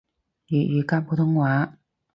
粵語加普通話